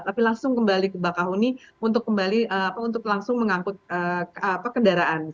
tapi langsung kembali ke bakahuni untuk langsung mengangkut kendaraan